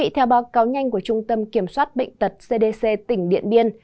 theo báo cáo nhanh của trung tâm kiểm soát bệnh tật cdc tỉnh điện biên